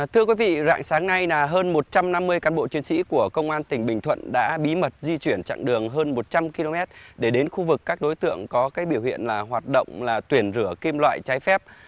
thưa quý vị rạng sáng nay hơn một trăm năm mươi can bộ chuyên sĩ của công an tỉnh bình thuận đã bí mật di chuyển chặng đường hơn một trăm linh km để đến khu vực các đối tượng có biểu hiện hoạt động tuyển rửa kim loại trái phép